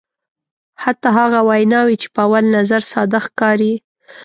حتی هغه ویناوی چې په اول نظر ساده ښکاري.